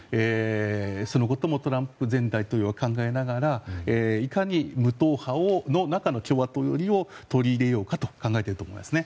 そのことをトランプ前大統領はいかに無党派の共和党寄りを取り入れようか考えていると思いますね。